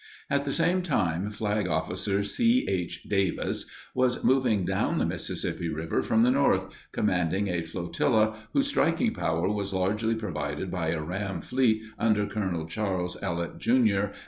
At the same time, Flag Officer C. H. Davis was moving down the Mississippi River from the north, commanding a flotilla whose striking power was largely provided by a ram fleet under Col. Charles Ellet, Jr.